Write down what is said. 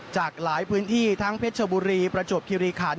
จากหลายพื้นที่ทั้งเพชรชบุรีประจวบคิริขัน